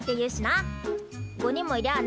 ５人もいりゃあ